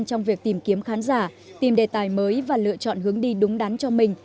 trong việc tìm kiếm khán giả tìm đề tài mới và lựa chọn hướng đi đúng đắn cho mình